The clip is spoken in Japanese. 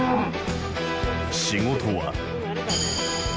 仕事は。